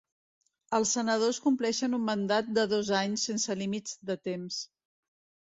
Els senadors compleixen un mandat de dos anys, sense límits de temps.